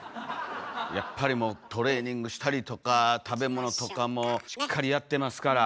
やっぱりトレーニングしたりとか食べ物とかもしっかりやってますから。